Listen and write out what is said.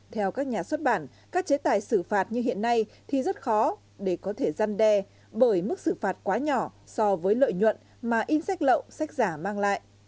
theo các nhà xuất bản các chế tài xử phạt như hiện nay thì rất khó để có thể gian đe bởi mức xử phạt quá nhỏ so với lợi nhuận mà in sách lậu sách giả mang lại